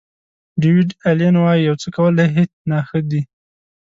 ډیویډ الین وایي یو څه کول له هیڅ نه ښه دي.